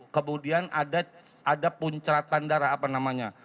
kemudian ada punceratan darah apa namanya